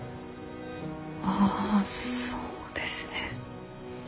ああそうですね。